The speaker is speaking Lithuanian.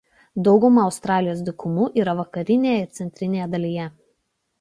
Dauguma Australijos dykumų yra vakarinėje ir centrinėje dalyje.